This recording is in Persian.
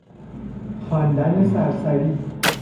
خواندن سرسری